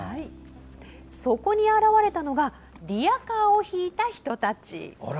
そこに現れたのがリヤカーを引いた人たち。